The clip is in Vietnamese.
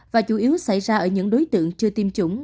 và chủ yếu xảy ra ở những đối tượng chưa tiêm chủng